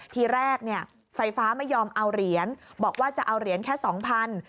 ทีแรกเนี่ยไฟฟ้าไม่ยอมเอาเหรียญบอกว่าจะเอาเหรียญแค่สองพัน